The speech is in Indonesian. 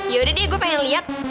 yaudah deh gue pengen lihat